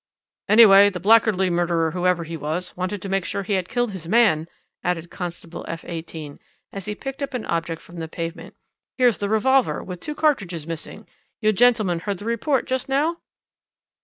"'Anyway, the blackguardly murderer, whoever he was, wanted to make sure he had killed his man!' added Constable F 18, as he picked up an object from the pavement. 'Here's the revolver, with two cartridges missing. You gentlemen heard the report just now?'